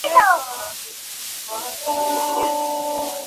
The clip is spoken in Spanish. Y "The Amazing Race.